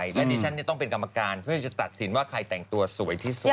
แล้วตอนนี้ฉันเนี่ยต้องเป็นกรรมการเพื่อจะตัดสินว่าใครจะแต่งตัวสวยที่สวย